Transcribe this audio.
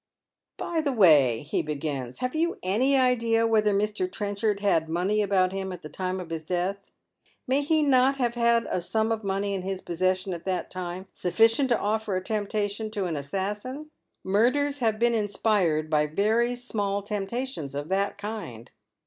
" By the way," he begins, " have you any idea whether Mr. Trenchard had money about him at the time of his death ? May he not have had a sum of money in his possession at that time — sufficient to offer a temptation to an assassin ? Murders havd been inspired by very small temptations of that kind."